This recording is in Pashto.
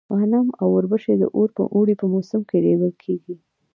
غنم او اوربشې د اوړي په موسم کې رېبل کيږي.